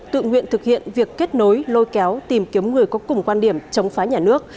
tự nguyện thực hiện việc kết nối lôi kéo tìm kiếm người có cùng quan điểm chống phá nhà nước